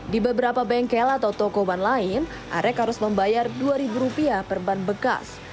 di beberapa bengkel atau toko ban lain arek harus membayar rp dua per ban bekas